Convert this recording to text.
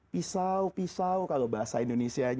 pisau pisau kalau bahasa indonesia